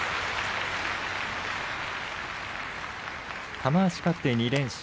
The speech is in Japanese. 玉鷲、勝って２連勝。